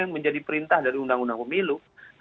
yang menjadi perintah dari undang undang pemilu